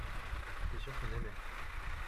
tu es sûr qu'on aimaient.